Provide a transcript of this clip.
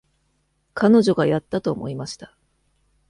彼女がやったと思いました。